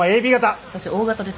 私Ｏ型です。